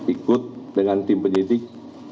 ikut dengan tim penyidik